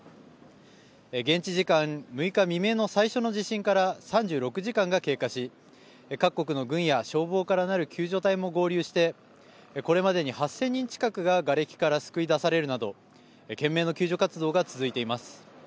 現地時間６日未明の最初の地震から３６時間が経過し各国の軍や消防からなる救助隊も合流してこれまでに８０００人近くががれきから救い出されるなど懸命な救助活動が続いています。